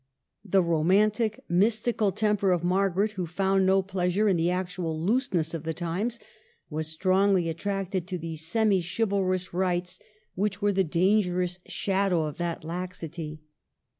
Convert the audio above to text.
The romantic, mystical temper of Margaret, which found no pleasure in the actual looseness of the times, was strongly attracted to the semi chivalrous rites which were the dangerous shadow of that laxity.